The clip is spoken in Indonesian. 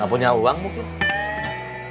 gak punya uang buknya